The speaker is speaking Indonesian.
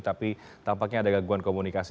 tapi tampaknya ada gangguan komunikasi